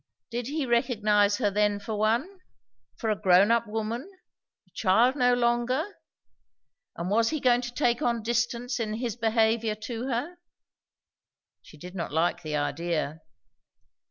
Did he recognize her then for one? for a grown up woman? a child no longer? and was he going to take on distance in his behaviour to her? She did not like the idea.